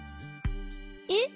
えっ！